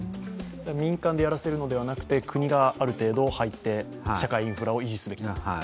民間でやらせるのではなくて、国がある程度入って社会インフラを維持すべきだと。